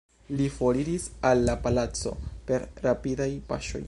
Li foriris al la palaco per rapidaj paŝoj.